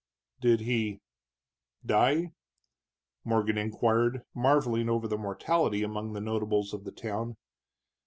"Did he die?" Morgan inquired, marveling over the mortality among the notables of the town.